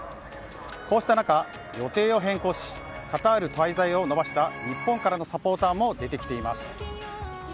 こうした中、予定を変更し、カタール滞在を延ばした日本からのサポーターも出てきています。